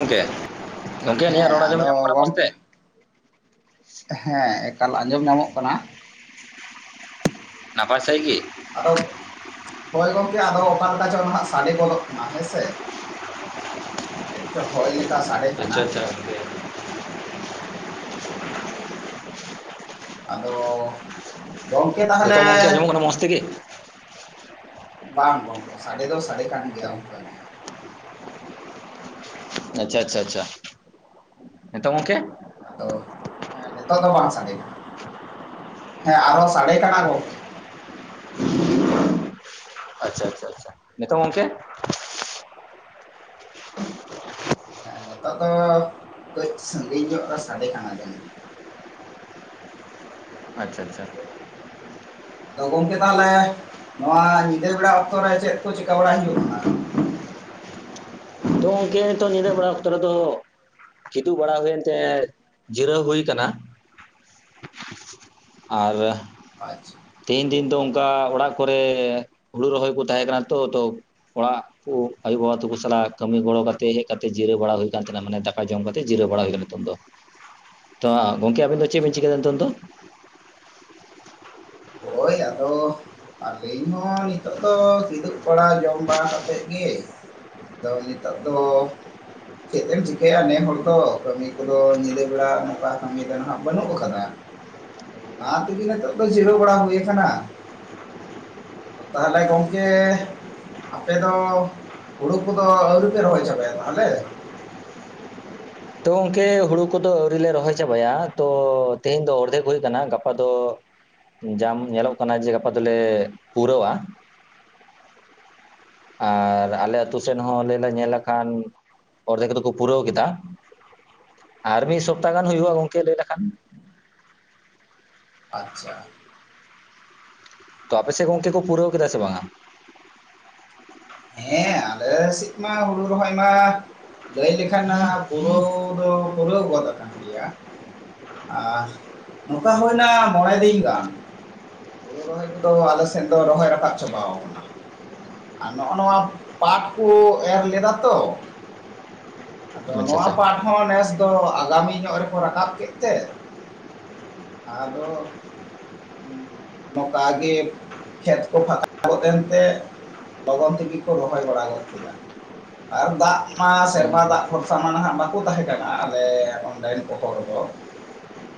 ᱜᱚᱝᱠᱮ, ᱜᱚᱝᱠᱮ ᱟᱹᱞᱤᱧᱟᱜ ᱦᱮᱸ ᱨᱚᱲ ᱟᱸᱡᱚᱢ ᱧᱟᱢᱚᱜ ᱟᱫᱚ ᱠᱟᱱᱟ ᱢᱚᱡᱽᱛᱮ᱾ ᱜᱚᱢᱠᱮ ᱦᱮᱸ ᱮᱠᱟᱞ ᱟᱸᱡᱚᱢ ᱧᱟᱢᱚᱜ ᱠᱟᱱᱟ᱾ ᱱᱟᱯᱟᱭ ᱥᱟᱦᱤᱡ ᱜᱮ᱾ ᱟᱳᱭ ᱦᱳᱭ ᱜᱚᱝᱠᱮ ᱟᱫᱚ ᱚᱠᱟᱞᱮᱠᱟ ᱪᱚ ᱱᱦᱟᱸᱜ ᱥᱟᱰᱮ ᱜᱚᱫᱚᱜ ᱠᱟᱱᱟ ᱦᱮᱸᱥᱮ᱾ ᱪᱮᱜ ᱪᱚ ᱦᱚᱭ᱾ ᱞᱮᱠᱟ ᱥᱟᱰᱮ ᱟᱪᱪᱷᱟ ᱠᱟᱱᱟ ᱟᱪᱪᱷᱟ᱾ [unintelligible] ᱟᱫᱚ ᱜᱚᱝᱠᱮ ᱱᱤᱛᱚᱜ ᱛᱟᱦᱚᱞᱮ᱾ ᱜᱚᱝᱠᱮ ᱟᱸᱡᱚᱢᱚᱜ ᱠᱟᱱᱟ ᱢᱚᱡᱽ ᱛᱮᱜᱮ ᱵᱟᱝ ᱜᱚᱝᱠᱮ ᱥᱟᱰᱮ ᱫᱚ ᱥᱟᱰᱮ ᱠᱟᱱ ᱜᱮᱭᱟ ᱚᱱᱠᱟᱜ ᱜᱮ᱾ ᱟᱪᱪᱷᱟ ᱟᱪᱪᱷᱟ ᱟᱪᱪᱷᱟ ᱱᱤᱛᱚᱜ ᱜᱚᱝᱠᱮ᱾ ᱟᱫᱚ ᱱᱤᱛᱚᱜ ᱫᱚ ᱵᱟᱝ ᱥᱟᱰᱮ ᱠᱟᱱᱟ ᱦᱮᱸ ᱟᱨᱦᱚᱸ ᱥᱟᱰᱮ ᱠᱟᱱᱟ ᱜᱚᱝᱠᱮ᱾ ᱟᱪᱪᱷᱟ ᱟᱪᱪᱷᱟ ᱪᱟᱷᱟ ᱱᱤᱛᱚᱜ ᱜᱚᱝᱠᱮ᱾ ᱦᱮᱸ ᱱᱤᱛᱚᱜ ᱫᱚ ᱠᱟᱹᱡ ᱥᱟᱺᱜᱤᱧ ᱧᱚᱜ ᱨᱮ ᱥᱟᱰᱮ ᱠᱟᱱᱟ ᱡᱟᱹᱱᱤᱡ᱾ ᱟᱪᱪᱷᱟ ᱟᱪᱪᱷᱟ ᱟᱫᱚ ᱜᱚᱝᱠᱮ ᱛᱟᱦᱞᱮ ᱱᱚᱣᱟ ᱧᱤᱫᱟᱹ ᱵᱮᱲᱟ ᱚᱠᱛᱚᱨ ᱨᱮ ᱪᱮᱫ ᱠᱚ ᱪᱤᱠᱠᱟ ᱵᱟᱲᱟᱭ ᱦᱩᱭᱩᱜ ᱠᱟᱱᱟ᱾ ᱛᱚ ᱜᱚᱝᱠᱮ ᱱᱤᱛᱚᱜ ᱧᱤᱫᱟᱹ ᱵᱮᱲᱟ ᱚᱠᱛᱚ ᱨᱮ ᱫᱚᱼᱼ ᱠᱤᱫᱩᱵ ᱵᱟᱲᱟ ᱦᱩᱭᱮᱱᱛᱮ ᱡᱤᱨᱟᱹᱣ ᱦᱩᱭ ᱟᱠᱟᱱᱟ᱾ ᱟᱨ ᱟᱪᱪᱷᱟ ᱛᱮᱦᱮᱧ ᱫᱤᱱ ᱫᱚ ᱚᱱᱠᱟ ᱚᱲᱟᱜ ᱠᱚᱨᱮ ᱦᱩᱲᱩ ᱨᱚᱦᱚᱭ ᱠᱚ ᱛᱟᱦᱮᱸ ᱠᱟᱱᱟ ᱛᱚ ᱛᱚ᱾ ᱚᱲᱟᱜ ᱠᱩ ᱟᱭᱳ ᱵᱟᱵᱟ ᱛᱟᱠᱚ ᱥᱟᱞᱟᱜ᱾ ᱠᱟᱹᱢᱤ ᱜᱚᱲᱚ ᱠᱟᱛᱮᱫ ᱦᱮᱡ ᱠᱟᱛᱮᱫ ᱡᱤᱨᱟᱹᱣ ᱵᱟᱲᱟ ᱦᱩᱭ ᱠᱟᱱ ᱛᱟᱦᱮᱱᱟ ᱢᱟᱱᱮ ᱫᱟᱠᱟ ᱡᱚᱢ ᱠᱟᱛᱮᱫ ᱡᱤᱨᱟᱹᱣ ᱵᱟᱲᱟ ᱦᱩᱭ ᱠᱟᱱᱟ ᱱᱤᱛᱚᱝ ᱫᱚ᱾ ᱛᱚ ᱜᱚᱝᱠᱮ ᱟᱵᱤᱱ ᱫᱚ ᱪᱮᱫ ᱵᱤᱱ ᱟᱪᱪᱷᱟ ᱪᱤᱠᱟᱹᱭᱫᱟ ᱱᱤᱛᱚᱝ ᱫᱚ? ᱳᱭ ᱟᱫᱚ ᱟᱹᱞᱤᱧ ᱦᱚᱸ ᱱᱤᱛᱚᱜ ᱫᱚ ᱠᱤᱫᱩᱵ ᱵᱟᱲᱟ ᱡᱚᱢ ᱵᱟᱲᱟ ᱠᱟᱛᱮᱫ ᱜᱮᱼᱼ ᱟᱫᱚ ᱱᱤᱛᱚᱜ ᱫᱚᱼᱼ ᱪᱮᱫ ᱮᱢ ᱪᱤᱠᱟᱹᱭᱟ ᱱᱮ ᱦᱚᱲ ᱫᱚ ᱠᱟᱹᱢᱤ ᱠᱚᱫᱚ ᱧᱤᱫᱟᱹ ᱵᱮᱲᱟ ᱱᱚᱴᱠᱟ ᱠᱟᱹᱢᱤ ᱫᱚ ᱱᱟᱦᱟᱜ ᱵᱟᱹᱱᱩᱜ ᱠᱟᱫᱟ᱾ [unintelligible] ᱟᱫᱚ ᱚᱱᱟ ᱛᱮᱜᱮ ᱱᱤᱛᱚᱜ ᱫᱚ ᱡᱤᱨᱟᱹᱣ ᱵᱟᱲᱟ ᱦᱩᱭ ᱟᱠᱟᱱᱟ᱾ ᱟᱫᱚ ᱛᱟᱦᱚᱞᱮ ᱜᱚᱝᱠᱮᱼᱼ ᱟᱯᱮ ᱫᱚ ᱦᱩᱲᱩ ᱠᱚᱫᱚ ᱟᱹᱣᱨᱤ ᱯᱮ ᱨᱚᱦᱚᱭ ᱪᱟᱵᱟᱭᱟ ᱛᱟᱦᱞᱮ᱾ ᱛᱚ ᱜᱚᱝᱠᱮ ᱦᱩᱲᱩ ᱠᱚᱫᱚ ᱟᱹᱣᱨᱤ ᱞᱮ ᱨᱚᱦᱚᱭ ᱪᱟᱵᱟᱭᱟ, ᱛᱚ ᱛᱮᱦᱮᱧ ᱫᱚ ᱚᱨᱫᱷᱮᱠ ᱦᱩᱭ ᱠᱟᱱᱟ ᱜᱟᱯᱟ ᱫᱚ ᱡᱟᱢ ᱧᱮᱞᱚᱜ ᱠᱟᱱᱟ ᱡᱮ ᱜᱟᱯᱟ ᱫᱚᱞᱮ ᱯᱩᱨᱟᱹᱣᱟ᱾ ᱟᱨ ᱟᱞᱮ ᱟᱛᱩ ᱥᱮᱫ ᱦᱚᱸ ᱞᱟᱹᱭ ᱞᱮ ᱧᱮᱞ ᱞᱮᱠᱷᱟᱱ, ᱚᱨᱫᱷᱮᱠ ᱫᱚᱠᱚ ᱯᱩᱨᱟᱹᱣ ᱠᱮᱫᱟ᱾ ᱟᱨ ᱢᱤᱫ ᱥᱚᱯᱛᱟ ᱜᱟᱱ ᱦᱩᱭᱩᱜᱼᱟ ᱜᱚᱝᱠᱮ ᱞᱟᱹᱭ ᱞᱮᱠᱷᱟᱱ᱾ ᱟᱪᱪᱷᱟ᱾ ᱛᱚ ᱟᱯᱮ ᱥᱮᱫ ᱜᱚᱝᱠᱮ ᱠᱚ ᱯᱩᱨᱟᱹᱣ ᱠᱮᱫᱟ ᱥᱮ ᱵᱟᱝᱟ? ᱦᱮᱸ ᱟᱞᱮ ᱥᱮᱫ ᱢᱟ ᱦᱩᱲᱩ ᱨᱚᱦᱚᱭ ᱢᱟ, ᱞᱟᱹᱭ ᱞᱮᱠᱷᱟᱱᱟ ᱯᱩᱨᱟᱹᱣ ᱯᱩᱨᱟᱹᱣᱻ ᱯᱩᱨᱟᱹᱣ ᱜᱚᱫ ᱟᱠᱟᱱ ᱜᱮᱭᱟ᱾ ᱟᱨ, ᱱᱚᱝᱠᱟ ᱦᱳᱭᱱᱟ ᱢᱚᱬᱮ ᱫᱤᱱ ᱜᱟᱱ᱾ ᱦᱳᱲᱤ ᱨᱚᱦᱚᱭ ᱠᱚᱫᱚ ᱟᱞᱮ ᱥᱮᱫ ᱫᱚ ᱨᱚᱦᱚᱭ ᱨᱟᱠᱟᱵ ᱪᱟᱵᱟᱣ ᱠᱟᱱᱟ᱾ ᱟᱨ ᱱᱚᱜᱼᱚ ᱱᱚᱣᱟ ᱯᱟᱴ ᱠᱚ ᱮᱨ ᱞᱮᱫᱟ ᱛᱚ, ᱟᱫᱚ ᱟᱪᱪᱷᱟ ᱱᱚᱣᱟ ᱟᱪᱪᱷᱟ ᱯᱟᱴ ᱦᱚᱸ ᱱᱮᱥ ᱫᱚ ᱟᱜᱟᱢᱤ ᱧᱚᱜ ᱨᱮᱠᱚ ᱨᱟᱠᱟᱵ ᱠᱮᱫ ᱛᱮ ᱟᱫᱚ, ᱩᱸ ᱱᱚᱠᱟ ᱜᱮ ᱠᱷᱮᱛ ᱠᱚ ᱯᱷᱟᱸᱠᱟ ᱜᱚᱫᱮᱱ ᱛᱮ ᱞᱚᱜᱚᱱ ᱛᱮᱜᱮ ᱠᱚ ᱨᱚᱦᱚᱭ ᱵᱟᱲᱟ ᱜᱚᱫ ᱠᱮᱫᱟ᱾ [inaudible] ᱟᱨ ᱫᱟᱜ ᱢᱟ ᱦᱩᱸ᱾ ᱥᱮᱨᱢᱟ ᱫᱟᱜ ᱵᱷᱚᱨᱥᱟ ᱢᱟ ᱱᱟᱦᱟᱜ ᱵᱟᱠᱚ ᱛᱟᱦᱮᱸ ᱠᱟᱱᱟ ᱟᱞᱮᱻ ᱚᱸᱰᱮᱱ ᱠᱚ ᱦᱚᱲ ᱫᱚ᱾ [inaudible]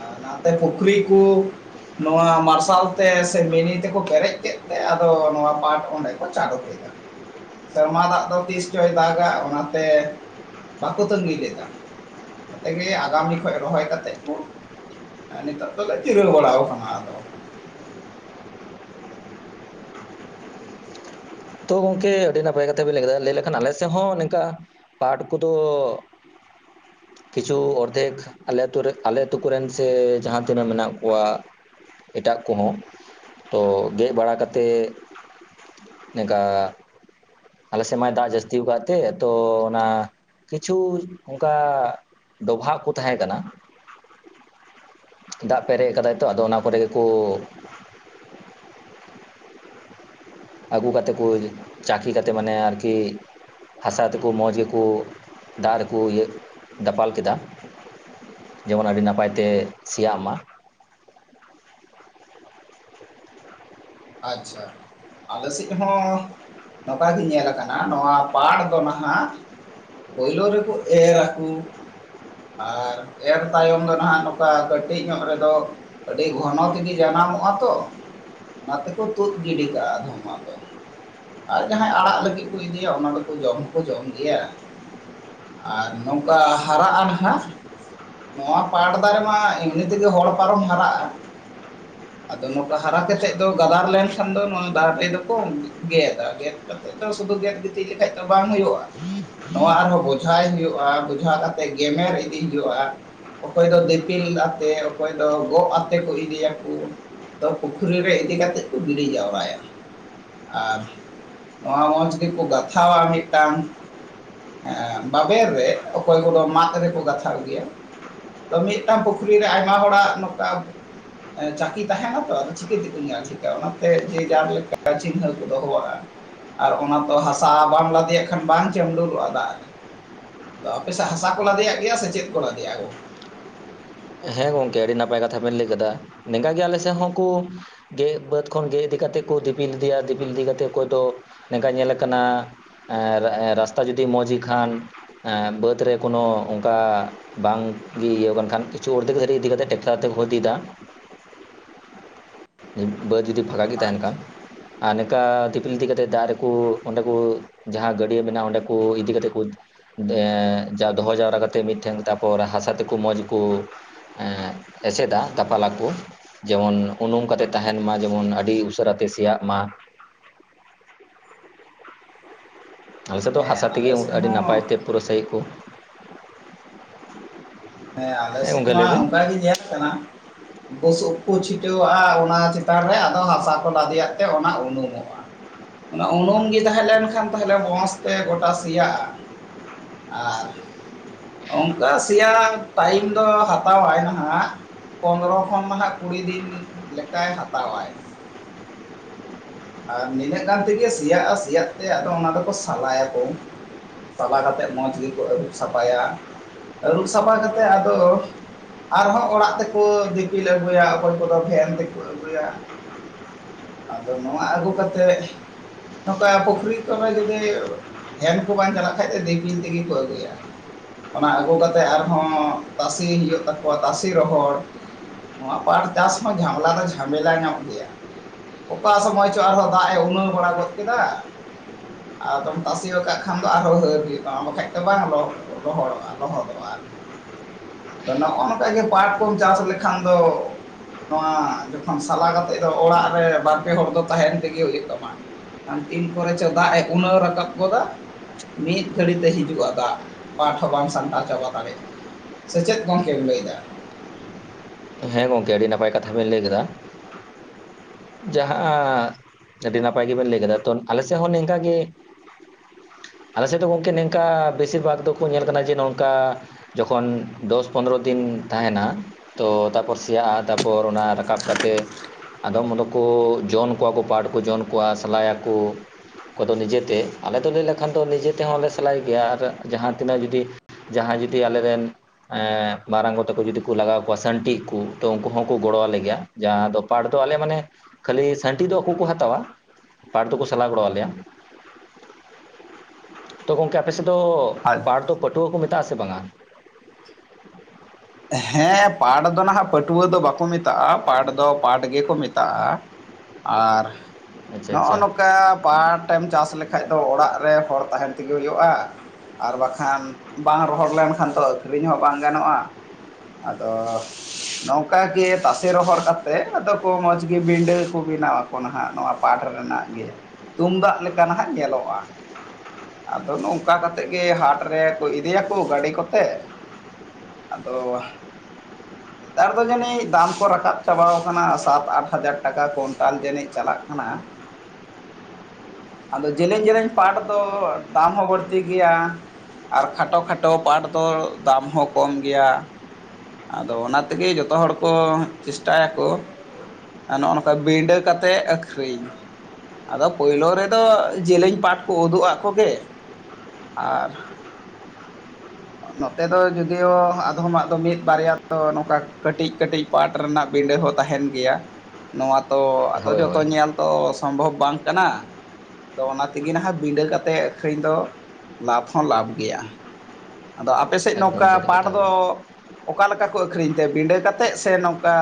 ᱟᱨ ᱱᱟᱛᱮ ᱯᱩᱠᱷᱨᱤ ᱠᱚ, ᱱᱚᱣᱟ ᱢᱟᱨᱥᱟᱞ ᱛᱮ ᱥᱮ ᱢᱤᱱᱤ ᱛᱮᱠᱚ ᱯᱮᱨᱮᱡ ᱠᱮᱫ ᱛᱮ ᱟᱫᱚ ᱱᱚᱣᱟ ᱯᱟᱴ ᱚᱸᱰᱮ ᱠᱚ ᱪᱟᱰᱳ ᱠᱮᱫᱟ᱾ ᱥᱮᱨᱢᱟ ᱫᱟᱜ ᱫᱚ ᱛᱤᱥ ᱪᱚᱭ ᱫᱟᱜᱟ ᱚᱱᱟᱛᱮ ᱵᱟᱠᱚ ᱛᱟᱹᱜᱤ ᱞᱮᱫᱟ᱾ ᱚᱱᱟ ᱛᱮᱜᱮ ᱟᱜᱟᱢᱤ ᱠᱷᱚᱡ ᱨᱚᱦᱚᱭ ᱠᱟᱛᱮᱜ ᱠᱚ ᱮ ᱱᱤᱛᱚᱜ ᱫᱚᱞᱮ ᱡᱤᱨᱟᱹ ᱵᱟᱲᱟᱣ ᱠᱟᱱᱟ ᱟᱫᱚ ᱾ ᱛᱚ ᱜᱚᱝᱠᱮ ᱟᱹᱰᱤ ᱱᱟᱯᱟᱭ ᱠᱟᱛᱷᱟ ᱵᱮᱱ ᱞᱟᱹᱭ ᱠᱮᱫᱟ, ᱞᱟᱹᱭ ᱞᱮᱠᱷᱟᱱ ᱟᱞᱮ ᱥᱮᱫ ᱦᱚᱸ ᱱᱮᱝᱠᱟ ᱯᱟᱴ ᱠᱚᱫᱚ ᱠᱤᱪᱷᱩ ᱚᱨᱫᱷᱮᱠᱼᱼ ᱟᱞᱮ ᱟᱹᱛᱩ ᱨᱮ ᱟᱞᱮ ᱟᱹᱛᱳ ᱠᱚᱨᱮᱱ ᱥᱮ ᱡᱟᱦᱟᱸ ᱛᱤᱱᱟᱹᱜ ᱢᱮᱱᱟᱜ ᱠᱚᱣᱟ, ᱮᱴᱟᱜ ᱠᱚᱦᱚᱸ, ᱛᱚ ᱜᱮᱜ ᱵᱟᱲᱟ ᱠᱟᱛᱮᱫ ᱱᱮᱝᱠᱟ [inaudible] ᱟᱞᱮ ᱥᱮᱫ ᱢᱟᱭ ᱫᱟᱜ ᱡᱟᱹᱥᱛᱤᱣ ᱠᱟᱫ ᱛᱮ ᱛᱚ ᱚᱱᱟ ᱠᱤᱪᱷᱩ ᱚᱝᱠᱟ ᱰᱚᱵᱷᱟᱜ ᱠᱚ ᱛᱟᱦᱮᱸ ᱠᱟᱱᱟ, ᱫᱟᱜ ᱯᱮᱨᱮᱡ ᱟᱠᱟᱫᱟᱭ ᱛᱚ ᱟᱫᱚ ᱚᱱᱟ ᱠᱚᱨᱮ ᱜᱮᱠᱚ ᱟᱹᱜᱩ ᱠᱟᱛᱮᱫ ᱠᱚ ᱪᱟᱹᱠᱷᱤ ᱠᱟᱛᱮᱫ ᱢᱟᱱᱮ ᱟᱨᱠᱤ ᱦᱟᱥᱟ ᱛᱮᱠᱚ ᱢᱚᱸᱡᱽ ᱜᱮᱠᱚ, ᱫᱟᱜ ᱨᱮᱠᱚ ᱤᱭᱟᱹ ᱫᱟᱯᱟᱞ ᱠᱮᱫᱟ ᱾ ᱡᱮᱢᱚᱱ ᱟᱹᱰᱤ ᱱᱟᱯᱟᱭ ᱛᱮ ᱥᱮᱭᱟᱜ ᱢᱟ ᱾ ᱟᱪᱪᱷᱟ ᱾ ᱟᱞᱮ ᱥᱮᱫ ᱦᱚᱸ ᱱᱚᱝᱠᱟ ᱜᱮ ᱧᱮᱞ ᱟᱠᱟᱱᱟ ᱱᱚᱣᱟ ᱯᱟᱲ ᱫᱚ ᱱᱟᱦᱟᱜ, ᱯᱳᱭᱞᱳ ᱨᱮᱠᱚ ᱮᱨ ᱟᱠᱳ, ᱟᱨ ᱮᱨ ᱛᱟᱭᱚᱢ ᱫᱚ ᱱᱟᱦᱟᱜ ᱱᱚᱝᱠᱟ ᱠᱟᱹᱴᱤᱡ ᱧᱚᱜ ᱨᱮᱫᱚ ᱟᱹᱰᱤ ᱜᱷᱚᱱᱚ ᱛᱤᱜᱤ ᱡᱟᱱᱟᱢᱚᱜᱼᱟ ᱛᱚ, ᱚᱱᱟ ᱛᱮᱠᱚ ᱛᱩᱫ ᱜᱤᱰᱤ ᱠᱟᱜᱼᱟ ᱟᱫᱷᱚᱢᱟᱜ ᱫᱚ ᱾ ᱟᱨ ᱡᱟᱦᱟᱸᱭ ᱟᱲᱟᱜ ᱞᱟᱹᱜᱤᱫ ᱠᱚ ᱤᱫᱤᱭᱟ ᱚᱱᱟ ᱫᱚᱠᱚ ᱡᱚᱢ ᱦᱚᱸ ᱠᱚ ᱡᱚᱢ ᱜᱮᱭᱟ ᱾ ᱟᱨ ᱱᱚᱝᱠᱟ ᱦᱟᱨᱟᱜ-ᱟ ᱱᱟᱦᱟᱜ, ᱱᱚᱣᱟ ᱯᱟᱴ ᱫᱟᱨᱮ ᱢᱟ ᱮᱢᱱᱤ ᱛᱮᱜᱮ ᱦᱚᱲ ᱯᱟᱨᱚᱢ ᱦᱟᱨᱟᱜᱼᱟ ᱾ ᱟᱫᱚ ᱱᱚᱠᱟ ᱦᱟᱨᱟ ᱠᱟᱛᱮᱜ ᱫᱚ ᱜᱟᱫᱟᱨ ᱞᱮᱱᱠᱷᱟᱱ ᱫᱚ ᱱᱚᱣᱟ ᱫᱟᱨᱮ ᱫᱚᱠᱚ ᱜᱮᱫᱟ, ᱜᱮᱫ ᱠᱟᱛᱮ ᱫᱚ ᱥᱩᱫᱩ ᱜᱮᱫ [inaudible] ᱤᱫᱤ ᱞᱮᱠᱷᱟᱡ ᱛᱚ ᱵᱟᱝ ᱦᱩᱭᱩᱜᱼᱟ ᱾ ᱱᱚᱣᱟ ᱟᱨᱦᱚᱸ ᱵᱚᱡᱷᱟᱭ ᱦᱩᱭᱩᱜᱼᱟ ᱵᱚᱡᱷᱟ ᱠᱟᱛᱮᱫ ᱜᱮᱢᱮᱨ ᱤᱫᱤᱭ ᱦᱩᱭᱩᱜᱼᱟ ᱾ ᱚᱠᱚᱭ ᱫᱚ ᱫᱤᱯᱤᱞ ᱟᱛᱮ ᱚᱠᱚᱭ ᱫᱚ ᱜᱚᱜ ᱟᱛᱮ ᱠᱚ ᱤᱫᱤᱭᱟᱠᱩ ᱾ ᱛᱚ ᱯᱩᱠᱷᱨᱤ ᱨᱮ ᱤᱫᱤ ᱠᱟᱛᱮᱫ ᱠᱚ ᱜᱤᱰᱤ ᱡᱟᱣᱨᱟᱭᱟ ᱾ ᱟᱨ ᱱᱚᱣᱟ ᱢᱚᱸᱡᱽ ᱜᱮᱠᱚ ᱜᱟᱛᱷᱟᱣᱟ ᱢᱤᱫᱴᱟᱝ ᱮᱻ ᱵᱟᱵᱮᱨ ᱨᱮ ᱚᱠᱚᱭ ᱠᱚᱫᱚ ᱢᱟᱫ ᱨᱮᱠᱚ ᱜᱟᱛᱷᱟᱣ ᱜᱮᱭᱟ ᱾ ᱛᱚ ᱢᱤᱫᱴᱟᱝ ᱯᱩᱠᱷᱨᱤ ᱨᱮ ᱟᱭᱢᱟ ᱦᱚᱲᱟᱜ ᱱᱚᱠᱟ ᱮ ᱪᱟᱹᱠᱤ ᱛᱟᱦᱮᱱᱟ ᱛᱚ ᱟᱝᱚ ᱪᱤᱠᱟᱹ ᱛᱮᱠᱚ ᱧᱮᱞ ᱴᱷᱤᱠᱟ ᱚᱱᱟᱛᱮ ᱡᱮ ᱡᱟᱨ ᱞᱮᱠᱟ ᱪᱤᱱᱦᱟᱹ ᱠᱚ ᱫᱚᱦᱚᱣᱟᱜᱼᱟ ᱾ ᱟᱨ ᱚᱱᱟ ᱛᱚ ᱦᱟᱥᱟ ᱵᱟᱢ ᱞᱟᱫᱮᱭᱟᱜ ᱠᱷᱟᱱ ᱵᱟᱝ ᱪᱟᱹᱢᱞᱩ [inaudible] ᱫᱟᱜ ᱨᱮ, ᱟᱫᱚ ᱟᱯᱮᱥᱮᱜ ᱦᱟᱥᱟ ᱠᱚ ᱞᱟᱫᱮᱭᱟᱜ ᱜᱮᱭᱟ ᱥᱮ ᱪᱮᱫ ᱠᱚ ᱞᱟᱫᱮᱭᱟ ᱜᱚᱝ ᱦᱮᱸ ᱜᱚᱝᱠᱮ ᱟᱹᱰᱤ ᱱᱟᱯᱟᱭ ᱠᱟᱛᱷᱟ ᱵᱮᱱ ᱞᱟᱹᱭ ᱠᱟᱫᱟ, ᱱᱤᱝᱠᱟ ᱜᱮ ᱟᱞᱮ ᱥᱮᱫ ᱦᱚᱸᱠᱚ ᱜᱮᱜ ᱵᱟᱹᱫᱽ ᱠᱷᱚᱱ ᱜᱮᱜ ᱤᱫᱤ ᱠᱟᱛᱮᱫ ᱠᱚ ᱫᱤᱯᱤᱞ ᱤᱫᱤᱭᱟ, ᱫᱤᱯᱤᱞ ᱤᱫᱤ ᱠᱟᱛᱮᱫ ᱚᱠᱚᱭ ᱫᱚ ᱱᱮᱝᱠᱟ ᱧᱮᱞ ᱠᱟᱱᱟ ᱮᱻ ᱨᱟ-ᱨᱟᱥᱛᱟ ᱡᱩᱫᱤ ᱢᱚᱡᱽ ᱜᱮ ᱠᱷᱟᱱ ᱮᱻ ᱵᱟᱹᱫᱽ ᱨᱮ ᱠᱳᱱᱳ ᱚᱝᱠᱟ ᱵᱟᱝᱜᱮ ᱤᱭᱟᱹ ᱠᱟᱱ ᱠᱷᱟᱱ, [unintelligible] ᱤᱫᱤ ᱠᱟᱛᱮ ᱴᱮᱠᱴᱟᱨ ᱛᱮᱠᱚ ᱤᱫᱤ ᱫᱟ ᱵᱟᱹᱫᱽ ᱡᱩᱫᱤ ᱯᱷᱟᱸᱠᱟ ᱜᱮ ᱛᱟᱦᱮᱱ ᱠᱷᱟᱱ ᱟᱪᱪᱷᱟ ᱾ ᱟᱨ ᱱᱮᱠᱟ ᱫᱤᱯᱤᱞ ᱤᱫᱤ ᱠᱟᱛᱮᱫ ᱫᱟᱜ ᱨᱮᱠᱚ ᱚᱸᱰᱮ ᱠᱩ ᱡᱟᱦᱟᱸ ᱜᱟᱹᱰᱭᱟᱹ ᱢᱮᱱᱟᱜᱼᱟ ᱚᱸᱰᱮ ᱠᱚ ᱤᱫᱤ ᱠᱟᱛᱮᱫ ᱠᱚ ᱮᱻ ᱡᱟ ᱫᱚᱦᱚ ᱡᱟᱣᱨᱟ ᱠᱟᱛᱮᱫ ᱢᱤᱫᱴᱷᱮᱱ ᱛᱟᱯᱚᱨ ᱦᱟᱥᱟ ᱛᱮᱠᱚ ᱢᱚᱡᱽ ᱜᱮᱠᱚ ᱮᱸᱜ ᱮᱥᱮᱫᱟ ᱫᱟᱯᱟᱞ ᱟᱠᱚ ᱡᱮᱢᱚᱱ ᱩᱱᱩ ᱠᱟᱛᱮ ᱛᱟᱦᱮᱱ ᱢᱟ ᱡᱮᱢᱚᱱ ᱟᱹᱰᱤ ᱩᱥᱟᱹᱨᱟᱛᱮ ᱥᱮᱭᱟᱜ ᱢᱟ ᱾ ᱟᱞᱮ ᱥᱮᱫ ᱫᱚ ᱦᱟᱥᱟ ᱦᱮᱸ ᱛᱮᱜᱮ ᱟᱞᱮ ᱚ ᱥᱮᱫ ᱟᱹᱰᱤ ᱱᱟᱯᱟᱭ ᱦᱚᱸ ᱛᱮ ᱯᱩᱨᱟᱹᱥᱟᱹᱭᱮᱫ ᱠᱚ ᱦᱮᱸ ᱟᱞᱮ ᱥᱮᱫ ᱜᱚᱝᱠᱮ ᱢᱟ ᱞᱟᱹᱭ ᱵᱮᱱ ᱚᱝᱠᱟᱜᱮ ᱧᱮᱞ ᱟᱠᱟᱱᱟ ᱾ ᱵᱩᱥᱩᱵ ᱠᱚ ᱪᱷᱤᱴᱟᱹᱣᱟᱜᱼᱟ ᱚᱱᱟ ᱪᱮᱛᱟᱱ ᱨᱮ ᱟᱫᱚ ᱦᱟᱥᱟ ᱠᱚ ᱞᱟᱫᱮᱭᱟᱜ ᱛᱮ ᱚᱱᱟ ᱩᱱᱩᱢᱚᱜᱼᱟ ᱾ ᱚᱱᱟ ᱩᱱᱩᱢ ᱜᱮ ᱛᱟᱦᱮᱸ ᱞᱮᱱᱠᱷᱟᱱ ᱛᱟᱦᱚᱞᱮ ᱢᱚᱸᱥ ᱛᱮ ᱜᱚᱴᱟ ᱥᱮᱭᱟᱜᱼᱟ ᱾ ᱟᱨᱻ ᱚᱝᱠᱟ ᱥᱮᱭᱟ ᱴᱟᱭᱤᱢ ᱫᱚ ᱦᱟᱛᱟᱣ ᱟᱭ ᱱᱟᱦᱟᱜ, ᱯᱚᱱᱨᱚ ᱠᱷᱚᱱ ᱱᱟᱦᱟᱜ ᱠᱩᱲᱤ ᱫᱤᱱ ᱞᱮᱠᱟᱭ ᱦᱟᱛᱟᱣ ᱟᱭ ᱾ ᱟᱨ ᱱᱤᱱᱟᱹᱜ ᱜᱟᱱ ᱛᱮᱜᱮ ᱥᱮᱭᱟᱜᱼᱟ᱾ ᱥᱮᱭᱟᱜ ᱛᱮ ᱟᱫᱚ ᱚᱱᱟ ᱫᱚᱠᱚ ᱥᱟᱞᱟᱭ ᱟᱠᱚ ᱥᱟᱞᱟ ᱠᱟᱛᱮᱜ ᱢᱚᱸᱡᱽ ᱜᱮᱠᱚ ᱟᱹᱨᱩᱵ ᱥᱟᱯᱷᱟᱭᱟ, ᱟᱹᱨᱩᱵ ᱥᱟᱯᱷᱟ ᱠᱟᱛᱮᱜ ᱟᱫᱚ ᱟᱨᱦᱚᱸ ᱚᱲᱟᱜ ᱛᱮᱠᱚ ᱫᱤᱯᱤᱞ ᱟᱹᱜᱩᱭᱟ ᱚᱠᱚᱭ ᱠᱚᱫᱚ ᱵᱷᱮᱱ ᱛᱮᱠᱚ ᱟᱹᱜᱩᱭᱟ᱾ ᱟᱫᱚ ᱱᱚᱣᱟ ᱟᱹᱜᱩ ᱠᱟᱛᱮᱜ ᱱᱚᱝᱠᱟ ᱯᱩᱠᱷᱨᱤ ᱠᱚᱨᱮ ᱡᱩᱫᱤ ᱵᱷᱮᱱ ᱠᱚ ᱵᱟᱝ ᱪᱟᱞᱟᱜ ᱠᱷᱟᱡ ᱫᱚ ᱫᱤᱯᱤᱞ ᱛᱮᱜᱮ ᱠᱚ ᱟᱹᱜᱩᱭᱟ ᱾ ᱚᱱᱟ ᱟᱹᱜᱩ ᱠᱟᱛᱮᱜ ᱟᱨᱦᱚᱸ ᱛᱟᱥᱮ ᱦᱩᱭᱩᱜ ᱛᱟᱠᱚᱣᱟ ᱛᱟᱥᱮ ᱨᱚᱦᱚᱲ ᱾ ᱱᱚᱣᱟ ᱯᱟᱴ ᱪᱟᱥ ᱦᱚᱸ ᱡᱷᱟᱢᱮᱞᱟ ᱫᱚ ᱡᱷᱟᱢᱮᱞᱟ ᱧᱚᱜ ᱜᱮᱭᱟ᱾ ᱚᱠᱟ ᱥᱚᱢᱚᱭ ᱪᱚ ᱟᱨᱦᱚᱸ ᱫᱟᱜ ᱮ ᱩᱱᱟᱹᱣ ᱵᱟᱲᱟ ᱜᱚᱫ ᱠᱮᱫᱟ, ᱟᱫᱚᱢ ᱛᱟᱥᱮ ᱟᱠᱟᱫ ᱠᱷᱟᱱ ᱫᱚ ᱟᱨᱦᱚᱸ ᱦᱟᱹᱨ ᱦᱩᱭᱩᱜ ᱛᱟᱢᱟ ᱵᱟᱠᱷᱟᱡ ᱫᱚ ᱵᱟᱝ ᱞᱚ ᱞᱚᱦᱚᱲᱚᱜᱼᱟ, ᱞᱚᱦᱚᱫᱚᱜᱼᱟ ᱟᱨᱦᱚᱸ ᱾ ᱱᱚᱜᱼᱚ ᱱᱚᱠᱟᱜᱮ ᱯᱟᱴ ᱠᱚᱢ ᱪᱟᱥ ᱞᱮᱠᱷᱟᱱ ᱫᱚ ᱱᱚᱣᱟ ᱡᱚᱠᱷᱚᱱ ᱥᱟᱞᱟ ᱠᱟᱛᱮᱜ ᱫᱚ ᱚᱲᱟᱜ ᱨᱮ ᱵᱟᱨ ᱯᱮ ᱦᱚᱲ ᱫᱚ ᱛᱟᱦᱮᱱ ᱛᱮᱜᱮ ᱦᱩᱭᱩᱜ ᱛᱟᱢᱟ ᱠᱷᱚᱱ ᱛᱤᱱ ᱠᱚᱨᱮ ᱪᱚ ᱫᱟᱜ ᱮ ᱩᱱᱟᱹᱣ ᱨᱟᱠᱟᱵ ᱜᱚᱫᱟ᱾ ᱢᱤᱫ ᱜᱷᱟᱹᱲᱤᱡ ᱛᱮ ᱦᱤᱡᱩᱜᱼᱟ ᱫᱟᱜ ᱯᱟᱴ ᱦᱚᱸ ᱵᱟᱢ ᱥᱟᱢᱴᱟᱣ ᱪᱟᱵᱟ ᱫᱟᱲᱮᱭᱟᱜᱼᱟ ᱾ ᱥᱮ ᱪᱮᱫ ᱜᱚᱝᱠᱮᱢ ᱞᱟᱹᱭᱮᱫᱟ? ᱦᱮᱸ ᱜᱚᱝᱠᱮ ᱟᱹᱰᱤ ᱱᱟᱯᱟᱭ ᱠᱟᱛᱷᱟ ᱵᱮᱱ ᱞᱟᱹᱭ ᱠᱮᱫᱟ ᱾ ᱡᱟᱦᱟᱸ ᱟᱹᱰᱤ ᱱᱟᱯᱟᱭ ᱜᱮᱵᱮᱱ ᱞᱟᱹᱭ ᱠᱟᱫᱟ ᱛᱚ ᱟᱞᱮᱥᱮᱫ ᱦᱚᱸ ᱱᱤᱝᱠᱟᱜᱮ ᱟᱞᱮ ᱥᱮᱫ ᱫᱚ ᱜᱚᱢᱠᱮ ᱱᱮᱝᱠᱟ ᱵᱮᱥᱤᱨ ᱵᱷᱟᱜᱽ ᱫᱚᱠᱚ ᱧᱮᱞ ᱠᱟᱱᱟ ᱡᱮ ᱱᱚᱝᱠᱟ ᱡᱚᱠᱷᱚᱱ ᱫᱚᱥ ᱯᱚᱱᱨᱚ ᱫᱤᱱ ᱛᱟᱦᱮᱱᱟ ᱛᱚ ᱛᱟᱨᱯᱚᱨ ᱥᱮᱭᱟᱜ-ᱟ, ᱛᱟᱨᱯᱚᱨ ᱚᱱᱟ ᱨᱟᱠᱟᱵ ᱠᱟᱛᱮᱫ ᱟᱫᱚᱢ ᱩᱰᱩᱠ ᱠᱚ ᱡᱚᱱ ᱠᱚᱣᱟ ᱠᱚ ᱯᱟᱴ ᱠᱚ ᱡᱚᱱ ᱠᱚᱣᱟ ᱥᱟᱞᱟᱭ ᱟᱠᱚ᱾ ᱠᱚᱫᱚ ᱱᱤᱡᱮᱛᱮ ᱟᱞᱮ ᱫᱚ ᱞᱟᱹᱭ ᱞᱮᱠᱷᱟᱱ ᱫᱚ ᱱᱤᱡᱮ ᱛᱮᱦᱚᱸᱞᱮ ᱥᱟᱞᱟᱭ ᱜᱮᱭᱟ ᱟᱨ ᱡᱟᱦᱟᱸ ᱛᱤᱱᱟᱹᱜ ᱡᱩᱫᱤ ᱡᱟᱦᱟᱸᱭ ᱡᱩᱫᱤ ᱟᱞᱮ ᱨᱮᱱ ᱢᱟᱨᱟᱝ ᱜᱚ ᱛᱟᱠᱚ ᱡᱩᱫᱤ ᱠᱚ ᱞᱟᱜᱟᱣ ᱠᱚᱣᱟ ᱥᱟᱹᱱᱴᱤᱜ ᱠᱚ ᱛᱚ ᱩᱱᱠᱩ ᱦᱚᱸᱠᱚ ᱜᱚᱲᱚ ᱟᱞᱮ ᱜᱮᱭᱟ ᱾ ᱡᱟᱦᱟᱸ ᱫᱚ ᱯᱟᱴ ᱫᱚ ᱟᱞᱮ ᱢᱟᱱᱮ ᱠᱷᱟᱹᱞᱤ ᱥᱟᱹᱱᱴᱤ ᱫᱚ ᱟᱠᱚ ᱠᱚ ᱦᱟᱛᱟᱣᱟ᱾ ᱯᱟᱴ ᱫᱚᱠᱚ ᱥᱟᱞᱟ ᱜᱚᱲᱚ ᱟᱞᱮᱭᱟ ᱾ ᱛᱚ ᱜᱚᱝᱠᱮ ᱟᱯᱮ ᱥᱮᱫ ᱫᱚ ᱟᱡ ᱯᱟᱴ ᱫᱚ ᱯᱟᱹᱴᱷᱩᱣᱟᱹ ᱠᱚ ᱢᱮᱛᱟᱜ ᱟᱥᱮ ᱵᱟᱝ ᱟ ᱾ ᱦᱮᱸ ᱯᱟᱴ ᱫᱚ ᱱᱟᱦᱟᱸᱜ ᱯᱟᱹᱴᱷᱩᱣᱟᱹ ᱫᱚ ᱵᱟᱠᱚ ᱢᱮᱛᱟᱜ-ᱟ, ᱯᱟᱴ ᱫᱚ ᱯᱟᱴ ᱜᱮᱠᱚ ᱢᱮᱛᱟᱜ-ᱟ᱾ ᱟᱨ ᱟᱪᱪᱷᱟ ᱱᱚᱜᱚ ᱟᱪᱪᱷᱟ ᱱᱚᱝᱠᱟ ᱯᱟᱴ ᱯᱟᱴᱮᱢ ᱪᱟᱥ ᱞᱮᱠᱷᱟᱡ ᱫᱚ ᱚᱲᱟᱜ ᱨᱮ ᱦᱚᱲ ᱛᱟᱦᱮᱱ ᱛᱮᱜᱮ ᱦᱩᱭᱩᱜ-ᱟ ᱾ ᱟᱨ ᱵᱟᱠᱷᱟᱱ ᱵᱟᱝ ᱨᱚᱦᱚᱲ ᱞᱮᱱᱠᱷᱟᱱ ᱫᱚ ᱟᱹᱠᱷᱨᱤᱧ ᱦᱚᱸ ᱵᱟᱝ ᱜᱟᱱᱚᱜ-ᱟ ᱾ ᱟᱫᱚᱻ ᱱᱚᱝᱠᱟ ᱜᱮ ᱛᱟᱥᱮ ᱨᱚᱦᱚᱲ ᱠᱟᱛᱮᱫ ᱟᱫᱚ ᱠᱚ ᱢᱚᱸᱡᱽ ᱜᱮ ᱵᱤᱸᱰᱟᱹ ᱠᱚ ᱵᱮᱱᱟᱣᱟ ᱾ ᱚᱱᱟ ᱦᱟᱸᱜ ᱱᱚᱣᱟ ᱯᱟᱴ ᱨᱮᱱᱟᱜ ᱜᱮ ᱛᱩᱢᱫᱟᱜ ᱞᱮᱠᱟ ᱱᱟᱦᱟᱸᱜ ᱧᱮᱞᱚᱜ-ᱟ᱾ ᱟᱫᱚ ᱱᱚᱝᱠᱟ ᱠᱟᱛᱮᱫ ᱜᱮ ᱦᱟᱴ ᱨᱮᱠᱚ ᱤᱫᱤᱭ ᱟᱠᱚ ᱜᱟᱹᱰᱤ ᱠᱚᱛᱮ ᱾ ᱟᱫᱚᱻ [unintelligible] ᱱᱮᱛᱟᱨ ᱫᱚ ᱡᱟᱹᱱᱤᱡ ᱫᱟᱢ ᱠᱚ ᱨᱟᱠᱟᱵ ᱪᱟᱵᱟ ᱟᱠᱟᱶᱱᱟ ᱥᱟᱛ ᱟᱴ ᱦᱟᱡᱟᱨ ᱴᱟᱠᱟ ᱠᱚᱱᱴᱟᱞ ᱡᱟᱹᱱᱤᱡ ᱪᱟᱞᱟᱜ ᱠᱟᱱᱟ ᱾ [unintelligible] ᱟᱫᱚ ᱡᱮᱞᱮᱧ ᱡᱮᱞᱮᱧ ᱯᱟᱴ ᱫᱚ ᱫᱟᱢ ᱦᱚᱸ ᱵᱟᱹᱲᱛᱤ ᱜᱮᱭᱟ ᱾ ᱟᱨ ᱠᱷᱟᱴᱚ ᱠᱷᱟᱴᱚ ᱯᱟᱴ ᱫᱚ ᱫᱟᱢ ᱦᱚᱸ ᱠᱚᱢ ᱜᱮᱭᱟ ᱾ ᱟᱫᱚ ᱚᱱᱟ ᱛᱮᱜᱮ ᱡᱚᱛᱚ ᱦᱚᱲ ᱠᱚ ᱪᱮᱥᱴᱟᱭ ᱟᱠᱚ ᱟᱨ ᱱᱚᱜᱚ ᱱᱚᱝᱠᱟ ᱵᱤᱸᱰᱟᱹ ᱠᱟᱛᱮᱫ ᱟᱹᱠᱷᱨᱤᱧ ᱾ ᱟᱫᱚ ᱯᱳᱭᱞᱳ ᱨᱮᱫᱚ ᱡᱮᱞᱮᱧ ᱯᱟᱴ ᱠᱚ ᱩᱫᱩᱜ ᱟᱜ ᱠᱚᱜᱮ ᱟᱨ ᱱᱚᱛᱮ ᱫᱚ ᱡᱩᱫᱤᱭᱳ ᱟᱫᱷᱚᱢᱟᱜ ᱫᱚ ᱢᱤᱫ ᱵᱟᱨᱭᱟ ᱫᱚ ᱱᱚᱝᱠᱟ ᱠᱟᱹᱴᱤᱡ ᱠᱟᱹᱴᱤᱡ ᱯᱟᱴ ᱨᱮᱱᱟᱜ ᱵᱤᱸᱰᱟᱹ ᱦᱚᱸ ᱛᱟᱦᱮᱸᱱ ᱜᱮᱭᱟ ᱾ ᱱᱚᱣᱟ ᱛᱚ ᱟᱫᱚ ᱦᱳᱭ ᱡᱚᱛᱚ ᱦᱳᱭ ᱧᱮᱞ ᱛᱚ ᱥᱚᱢᱵᱷᱚᱵᱽ ᱵᱟᱝ ᱠᱟᱱᱟ ᱾ ᱟᱫᱚ ᱚᱱᱟ ᱛᱮᱜᱮ ᱱᱟᱦᱟᱸᱜ ᱵᱤᱸᱰᱟᱹ ᱠᱟᱛᱮᱫ ᱟᱹᱠᱷᱨᱤᱧ ᱫᱚ ᱞᱟᱵᱷ ᱦᱚᱸ ᱞᱟᱵᱷ ᱜᱮᱭᱟ᱾ ᱟᱫᱚ ᱟᱯᱮ ᱥᱮᱫ ᱮᱠᱫᱚᱢ ᱱᱚᱝᱠᱟ ᱥᱟᱹᱨᱤ ᱯᱟᱴ ᱠᱟᱛᱷᱟ ᱫᱚ ᱵᱮᱱ ᱚᱠᱟ ᱞᱮᱠᱟ ᱠᱚ ᱟᱹᱠᱷᱨᱤᱧ ᱛᱮ ᱵᱤᱸᱰᱟᱹ ᱠᱟᱛᱮᱫ ᱥᱮ ᱱᱚᱝᱠᱟ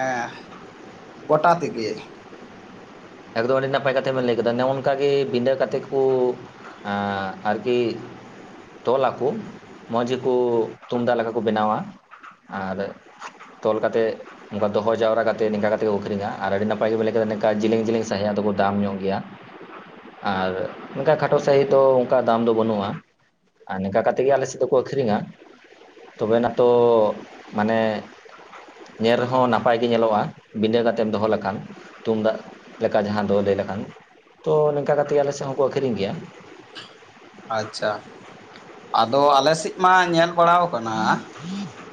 ᱮᱸ ᱜᱚᱴᱟ ᱛᱮᱜᱮ? ᱮᱠᱫᱚᱢ ᱟᱹᱰᱤ ᱱᱟᱯᱟᱭ ᱠᱟᱛᱷᱟ ᱵᱤᱱ ᱞᱟᱹᱭ ᱠᱮᱫᱟ ᱱᱚᱸᱜᱚ ᱱᱚᱝᱠᱟ ᱜᱮ ᱵᱤᱰᱟᱹ ᱠᱟᱛᱮᱫ ᱠᱚ ᱮᱸᱜ ᱟᱨᱠᱤ ᱛᱚᱞ ᱟᱠᱚ ᱢᱚᱸᱡᱽ ᱜᱮᱠᱚ ᱛᱩᱢᱫᱟᱜ ᱞᱮᱠᱟ ᱠᱚ ᱵᱮᱱᱟᱣᱟ᱾ ᱟᱨ ᱛᱚᱞ ᱠᱟᱛᱮᱫ ᱚᱱᱠᱟ ᱫᱚᱦᱚ ᱡᱟᱣᱨᱟ ᱠᱟᱛᱮ ᱱᱤᱝᱠᱟ ᱠᱟᱛᱮ ᱠᱚ ᱟᱹᱠᱷᱨᱤᱧᱟ ᱟᱨ ᱟᱹᱰᱤ ᱱᱟᱯᱟᱭ ᱜᱮ ᱢᱮᱱ ᱠᱮᱫᱟ ᱱᱝᱠᱟ ᱡᱤᱞᱤᱝ ᱡᱮᱤᱞᱤᱝ ᱥᱟᱸᱦᱤᱡᱟᱜ ᱫᱚᱠᱚ ᱫᱟᱢ ᱧᱚᱸᱜ ᱜᱮᱭᱟ᱾ ᱟᱨ ᱚᱱᱠᱟ ᱠᱷᱟᱴᱚ ᱥᱟᱹᱦᱤᱡ ᱫᱚ ᱚᱱᱠᱟ ᱫᱟᱢ ᱫᱚ ᱵᱟᱹᱱᱩᱜᱼᱟ᱾ ᱟᱨ ᱱᱮᱝᱠᱟ ᱠᱟᱛᱮ ᱜᱮ ᱟᱞᱮ ᱥᱮᱫ ᱫᱚᱠᱚ ᱟᱹᱷᱨᱤᱧᱟ᱾ ᱛᱚᱵᱮ ᱮᱱᱟ ᱛᱚ ᱢᱟᱱᱮ ᱧᱮᱞ ᱨᱮᱦᱚᱸ ᱱᱟᱯᱟᱭ ᱜᱮ ᱧᱮᱞᱚᱜᱼᱟ ᱵᱤᱸᱰᱟᱹ ᱠᱟᱛᱮᱢ ᱫᱚᱦᱚ ᱞᱮᱠᱷᱟᱱ ᱛᱩᱢᱫᱟᱜ᱾ ᱞᱮᱠᱟ ᱡᱟᱦᱟᱸ ᱫᱚ ᱞᱟᱹᱭ ᱞᱮᱠᱷᱟᱱ ᱛᱚ ᱱᱚᱝᱠᱟ ᱠᱟᱛᱮ ᱜᱮ ᱟᱞᱮ ᱥᱮᱫ ᱦᱚᱸᱠᱚ ᱟᱹᱷᱨᱤᱧ ᱜᱮᱭᱟ᱾ ᱟᱪᱪᱷᱟ, ᱟᱫᱚ ᱟᱞᱮ ᱥᱮᱫ ᱢᱟ ᱧᱮᱞ ᱵᱟᱲᱟᱣ ᱠᱟᱱᱟ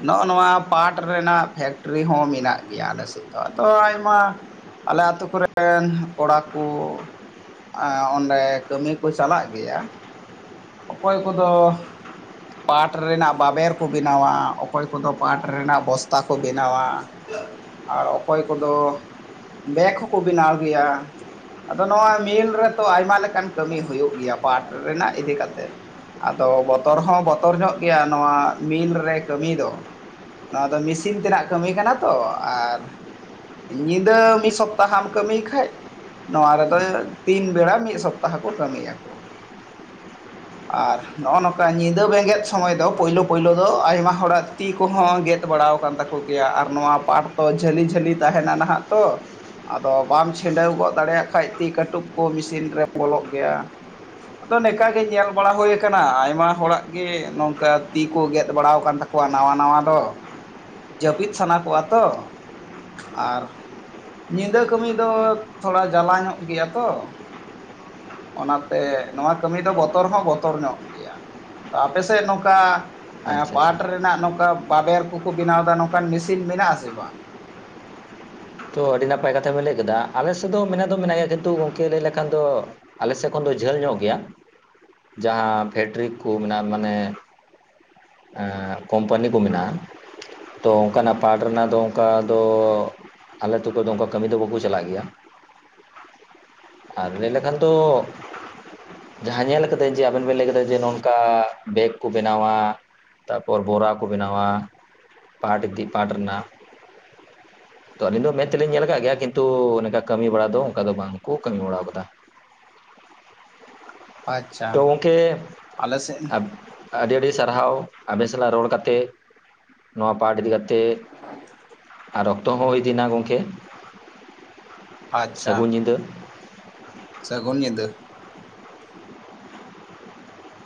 ᱱᱚᱸᱜ-ᱚ ᱱᱚᱣᱟ ᱯᱟᱴ ᱨᱮᱱᱟᱜ ᱯᱷᱮᱠᱴᱨᱤ ᱦᱚᱸ ᱢᱮᱱᱟᱜ ᱜᱮᱭᱟ ᱟᱞᱮ ᱥᱮᱫ ᱫᱚ ᱟᱫᱚ ᱟᱭᱢᱟ ᱟᱞᱮ ᱟᱹᱛᱩ ᱠᱚᱨᱮᱱ ᱠᱚᱲᱟ ᱠᱚ ᱮᱸ ᱚᱸᱰᱮ ᱠᱟᱹᱢᱤ ᱠᱚ ᱪᱟᱞᱟᱜ ᱜᱮᱭᱟ᱾ ᱚᱠᱚᱭ ᱠᱚᱫᱚ ᱯᱟᱴ ᱨᱮᱱᱟᱜ ᱵᱟᱵᱮᱨ ᱠᱚ ᱵᱮᱱᱟᱣᱟ ᱚᱠᱚᱭ ᱠᱚᱫᱚ ᱯᱟᱴ ᱨᱮᱱᱟᱜ ᱵᱚᱥᱛᱟ ᱠᱚ ᱵᱮᱱᱟᱣᱟ᱾ [inaudible] ᱟᱨ ᱚᱠᱚᱭ ᱠᱚᱫᱚ ᱵᱮᱜᱽ ᱦᱚᱸᱠᱚ ᱵᱮᱱᱟᱣ ᱜᱮᱭᱟ᱾ ᱟᱫᱚ ᱱᱚᱣᱟ ᱢᱤᱞ ᱨᱮᱛᱚ ᱟᱭᱢᱟ ᱞᱮᱠᱟᱱ ᱠᱟᱹᱢᱤ ᱦᱩᱭᱩᱜ ᱜᱮᱭᱟ ᱯᱟᱴ ᱨᱮᱱᱟᱜ ᱤᱫᱤ ᱠᱟ ᱛᱮ ᱟᱫᱚ ᱵᱚᱛᱚᱨ ᱦᱚᱸ ᱵᱚᱛᱚᱨ ᱧᱚᱸᱜ ᱜᱮᱭᱟ ᱱᱚᱣᱟ ᱢᱤᱞ ᱨᱮ ᱠᱟᱹᱢᱤ ᱫᱚ, ᱱᱚᱣᱟ ᱫᱚ ᱢᱮᱥᱤᱱ ᱛᱮᱱᱟᱜ ᱠᱟᱹᱢᱤ ᱠᱟᱱᱟ ᱛᱚ ᱟᱨ ᱧᱤᱫᱟᱹ ᱢᱤᱫ ᱥᱚᱯᱛᱟᱦᱟᱢ ᱠᱟᱹᱢᱤ ᱠᱷᱟᱡ ᱱᱚᱣᱟ ᱨᱮᱫᱚ ᱛᱤᱱ ᱵᱮᱲᱟ ᱢᱤᱫ ᱥᱚᱯᱛᱟᱦᱚ ᱠᱚ ᱠᱟᱹᱢᱤ ᱟᱠᱚ᱾ ᱟᱨ ᱱᱚᱸᱜ-ᱚ ᱱᱚᱝᱠᱟ ᱧᱤᱫᱟᱹ ᱵᱮᱸᱜᱮᱫ ᱥᱚᱢᱚᱭ ᱫᱚ ᱯᱳᱭᱞᱳ ᱯᱳᱭᱞᱳ ᱫᱚ ᱟᱭᱢᱟ ᱦᱚᱲᱟᱜ ᱛᱤ ᱠᱚᱦᱚᱸ ᱜᱮᱫ ᱵᱟᱲᱟᱣ ᱟᱠᱟᱱ ᱛᱟᱠᱚ ᱜᱮᱭᱟ ᱟᱨ ᱱᱚᱣᱟ ᱯᱟᱴ ᱛᱚ ᱡᱷᱟᱹᱞᱤ ᱡᱷᱟᱹᱞᱤ ᱛᱟᱦᱮᱸᱱᱟ ᱱᱟᱦᱟᱜ ᱛᱚ, ᱟᱫᱚ ᱵᱟᱢ ᱪᱷᱤᱰᱟᱹᱣ ᱜᱚᱫ ᱫᱟᱲᱮᱭᱟᱜ ᱠᱷᱟᱡ ᱛᱤ ᱠᱟᱹᱴᱩᱵ ᱠᱚ ᱢᱮᱥᱤᱱ ᱨᱮ ᱵᱚᱞᱚᱜ ᱜᱮᱭᱟ᱾ ᱟᱫᱚ ᱱᱮᱝᱠᱟ ᱜᱮ ᱧᱮᱞ ᱵᱟᱲᱟ ᱦᱩᱭ ᱟᱠᱟᱱᱟ ᱟᱭᱢᱟ ᱦᱚᱲᱟᱜ ᱜᱮ ᱱᱚᱝᱠᱟ ᱛᱤ ᱠᱚ ᱜᱮᱫ ᱵᱟᱲᱟ ᱟᱠᱟᱱ ᱛᱟᱠᱚᱣᱟ ᱱᱟᱣᱟ ᱱᱟᱣᱟ ᱫᱚ᱾ ᱡᱟᱹᱯᱤᱫ ᱥᱟᱱᱟ ᱠᱚᱣᱟ ᱛᱚ ᱟᱨ ᱧᱤᱫᱟᱹ ᱠᱟᱹᱢᱤ ᱫᱚ ᱛᱷᱚᱲᱟ ᱡᱟᱞᱟ ᱧᱚᱸᱜ ᱜᱮᱭᱟ ᱛᱚ, ᱚᱱᱟᱛᱮ ᱱᱚᱣᱟ ᱠᱟᱹᱢᱤ ᱫᱚ ᱵᱚᱛᱚᱨ ᱦᱚᱸ ᱵᱚᱛᱚᱨ ᱧᱚᱸᱜ ᱜᱮᱭᱟ᱾ ᱟᱯᱮ ᱥᱮᱫ ᱱᱚᱝᱠᱟ ᱟᱪᱪᱷᱟ ᱟᱪᱪᱷᱟ ᱯᱟᱴ ᱨᱮᱱᱟᱜ ᱱᱚᱝᱠᱟ ᱵᱟᱵᱮᱨ ᱠᱚᱠᱚ ᱵᱮᱱᱟᱣ ᱮᱫᱟ ᱱᱚᱝᱠᱟᱱ ᱢᱮᱥᱤᱱ ᱢᱮᱱᱟᱜ ᱟᱥᱮ ᱵᱟᱝ? ᱛᱚ ᱟᱹᱰᱤ ᱱᱟᱯᱟᱭ ᱠᱟᱛᱷᱟ ᱵᱮᱱ ᱞᱟᱹᱭ ᱠᱮᱫᱟ, ᱟᱞᱮ ᱥᱮᱫ ᱫᱚ ᱢᱮᱱᱟᱜ ᱫᱚ ᱢᱮᱱᱟᱜ ᱜᱮᱭᱟ ᱠᱤᱱᱛᱩ ᱜᱚᱝᱠᱮ ᱞᱟᱹᱭ ᱞᱮᱠᱷᱟᱱ ᱫᱚ ᱟᱞᱮ ᱥᱮᱫ ᱠᱷᱚᱱ ᱫᱚ ᱡᱷᱟᱹᱞ ᱧᱚᱸᱜ ᱜᱮᱭᱟ, ᱡᱟᱦᱟᱸ ᱯᱷᱮᱠᱴᱨᱤ ᱠᱚ ᱢᱮᱱᱟᱜ-ᱟ ᱢᱟᱱᱮ ᱮ ᱸᱠᱳᱢᱯᱟᱱᱤ ᱠᱚ ᱢᱮᱱᱟᱜ-ᱟ᱾ ᱛᱚ ᱚᱱᱠᱟᱱᱟᱜ ᱯᱟᱴ ᱨᱮᱱᱟᱜ ᱫᱚ ᱚᱱᱠᱟ ᱫᱚ ᱟᱞᱮ ᱟᱹᱛᱩ ᱠᱷᱚᱡ ᱫᱚ ᱚᱱᱠᱟ ᱠᱟᱹᱢᱤ ᱫᱚ ᱵᱟᱠᱚ ᱪᱟᱞᱟᱜ ᱜᱮᱭᱟ᱾ ᱟᱨ ᱞᱟᱹᱭ ᱞᱮᱠᱷᱟᱱ ᱛᱚ ᱡᱟᱦᱟᱸ ᱧᱮᱞ ᱠᱟᱫᱟᱹᱧ ᱡᱮ ᱟᱵᱮᱱ ᱵᱮᱱ ᱞᱟᱹᱭ ᱠᱟᱫᱟ ᱡᱮ ᱱᱚᱝᱠᱟ ᱵᱮᱜᱽ ᱠᱚ ᱵᱮᱱᱟᱣᱟ, ᱛᱟᱨᱯᱚᱨ ᱵᱚᱨᱟ ᱠᱚ ᱵᱮᱱᱟᱣᱟ ᱯᱟᱴ ᱤᱜᱽᱫᱤ ᱯᱟᱴ ᱨᱮᱱᱟᱜ᱾ ᱛᱚ ᱟᱹᱞᱤᱧ ᱫᱚ ᱢᱮᱱᱫ ᱛᱮᱞᱤᱧ ᱧᱮᱞ ᱟᱠᱟᱫ ᱜᱮᱭᱟ ᱠᱤᱱᱛᱩ ᱱᱚᱝᱠᱟ ᱠᱟᱹᱢᱤ ᱵᱟᱲᱟ ᱫᱚ ᱚᱱᱠᱟ ᱫᱚ ᱵᱟᱝᱠᱚ ᱠᱟᱹᱢᱤ ᱵᱟᱲᱟ ᱟᱠᱟᱫᱟ᱾ ᱛᱚ ᱟᱪᱪᱷᱟ ᱜᱝᱢᱠᱮ ᱟᱞᱮ ᱥᱮᱫ ᱟᱹᱰᱤ ᱟᱹᱰᱤ ᱥᱟᱨᱦᱟᱣ ᱟᱵᱮᱱ ᱥᱟᱞᱟᱜ ᱨᱚᱲ ᱠᱟᱛᱮᱜ ᱱᱚᱣᱟ ᱯᱟᱴ ᱤᱫᱤ ᱠᱟᱛᱮᱜ᱾ ᱟᱨ ᱚᱠᱛᱚ ᱦᱚᱸ ᱦᱩᱭ ᱤᱫᱤᱮᱱᱟ ᱜᱚᱝᱠᱮ ᱟᱪᱪᱷᱟ ᱥᱟᱹᱜᱩᱱ ᱧᱤᱫᱟᱹ᱾ ᱥᱟᱹᱜᱩᱱ ᱧᱤᱫᱟᱹ᱾